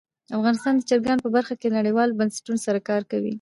افغانستان د چرګانو په برخه کې نړیوالو بنسټونو سره کار کوي.